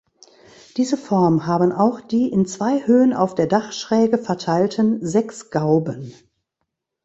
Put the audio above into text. Diese Form haben auch die in zwei Höhen auf der Dachschräge verteilten sechs Gauben.